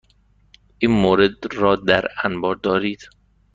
این مورد را در انبار دارید؟